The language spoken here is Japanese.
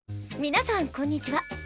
みなさんこんにちは。